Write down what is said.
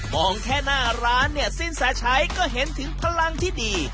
แค่หน้าร้านเนี่ยสินแสชัยก็เห็นถึงพลังที่ดี